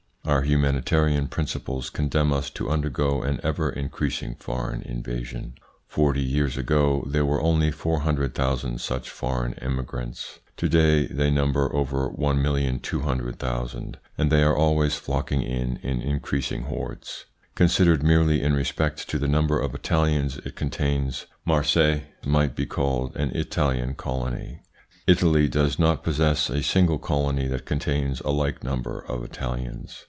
Our humanitarian principles condemn us to undergo an ever increasing foreign invasion. Forty years ago there were only 400,000 such foreign immigrants ; to day they number over 1,200,000, and they are always flocking in in increasing hordes. Considered merely in respect to the number of Italians it contains, Marseilles might be called an Italian colony. Italy does not possess a single colony that contains a like number of Italians.